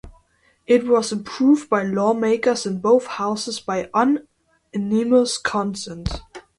It was approved by lawmakers in both houses by unanimous consent.